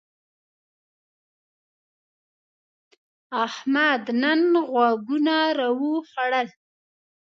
احمد نن غوږونه راوخوړل.